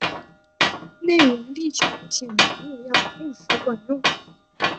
内容力求简明扼要、务实管用